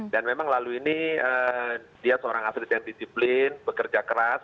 dan memang lalu ini dia seorang atlet yang disiplin bekerja keras